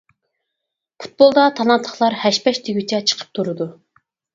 پۇتبولدا تالانتلىقلار ھەش-پەش دېگۈچە چىقىپ تۇرىدۇ.